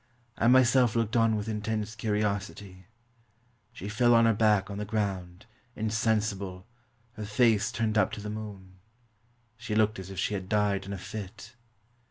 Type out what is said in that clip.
I myself looked on with intense curiosity. She fell on her back on the ground, insensible, her face turned up to the moon. She looked as if she had died in a fit.